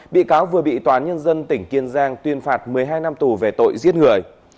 bị cáo vừa bị tòa án nhân dân tỉnh kiên giang tuyên phạt một mươi hai năm tù về tội giết người